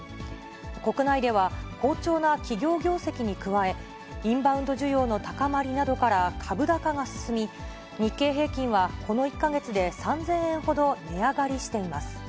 国内では、好調な企業業績に加え、インバウンド需要の高まりなどから株高が進み、日経平均はこの１か月で３０００円ほど値上がりしています。